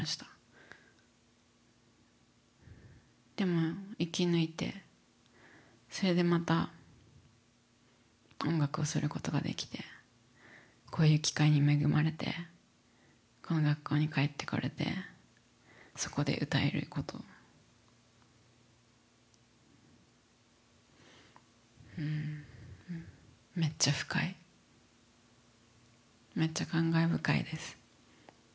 でも生き抜いてそれでまた音楽をすることができてこういう機会に恵まれてこの学校に帰ってこれてそこで歌えることうんめっちゃ深いめっちゃ感慨深いです。